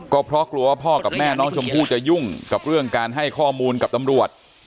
ก็เพราะกลัวว่าพ่อกับแม่น้องชมพู่จะยุ่งกับเรื่องการให้ข้อมูลกับตำรวจ